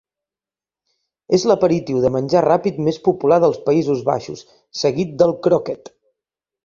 És l'aperitiu de menjar ràpid més popular dels Països Baixos, seguit del "kroket".